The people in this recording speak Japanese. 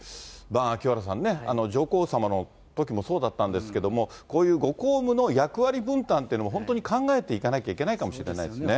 清原さんね、上皇さまのときもそうだったんですけども、こういうご公務の役割分担っていうのも、本当に考えていかなきゃいけないかもしれないですね。